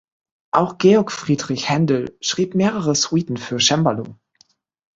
Auch Georg Friedrich Händel schrieb mehrere Suiten für Cembalo.